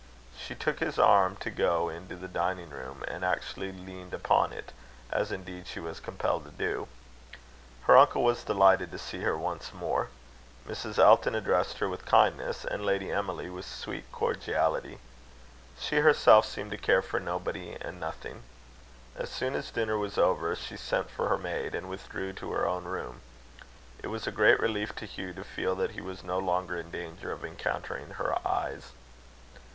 She took his arm to go into the dining room, and actually leaned upon it, as, indeed, she was compelled to do. Her uncle was delighted to see her once more. Mrs. Elton addressed her with kindness, and Lady Emily with sweet cordiality. She herself seemed to care for nobody and nothing. As soon as dinner was over, she sent for her maid, and withdrew to her own room. It was a great relief to Hugh to feel that he was no longer in danger of encountering her eyes.